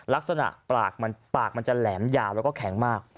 ลักษณะปากมันจะแหลมยาวแล้วก็แข็งมาก